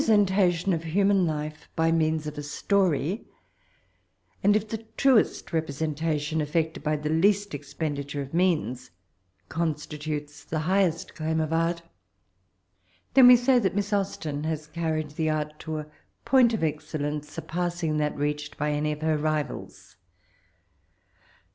sentation of human life by means of a story ; and if the truest representa , tion, eflbcted by the least expendi ture of means, constitutes the highest claim of art, then we say that Miss Austen has carried the art to a point of excellence surpassing that reached by any of her rivals.